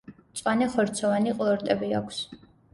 მწვანე ხორცოვანი ყლორტები აქვს.